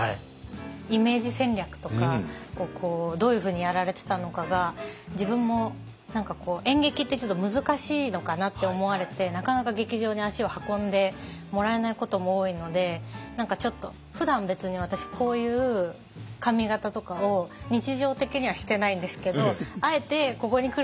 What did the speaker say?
イメージ戦略とかどういうふうにやられてたのかが自分も演劇って難しいのかなって思われてなかなか劇場に足を運んでもらえないことも多いのでふだん別に私こういう髪形とかを日常的にはしてないんですけどあえてここに来る時に。